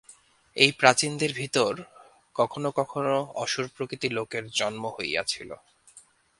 এই প্রাচীনদের ভিতর কখনও কখনও অসুরপ্রকৃতি লোকের জন্ম হইয়াছিল।